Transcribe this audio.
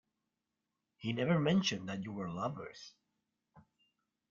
He never mentioned that you were lovers.